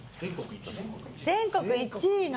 全国１位の。